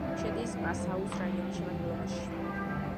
შედის პასაუს რაიონის შემადგენლობაში.